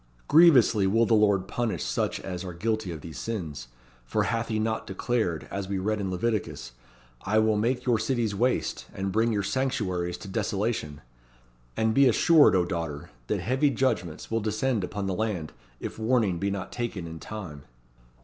Grievously will the Lord punish such as are guilty of these sins, for hath He not declared, as we read in Leviticus, 'I will make your cities waste, and bring your sanctuaries to desolation?' And be assured, O daughter, that heavy judgments will descend upon the land, if warning be not taken in time."